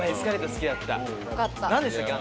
何でしたっけ？